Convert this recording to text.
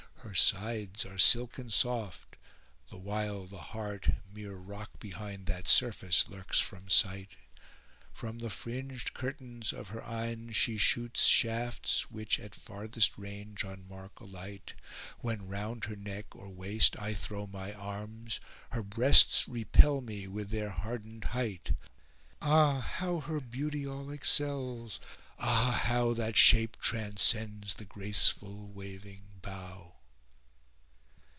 Her sides are silken soft, the while the heart * Mere rock behind that surface lurks from sight: From the fringed curtains of her eyne she shoots * Shafts which at farthest range on mark alight: When round her neck or waist I throw my arms * Her breasts repel me with their hardened height. Ah, how her beauty all excels! ah how * That shape transcends the graceful waving bough!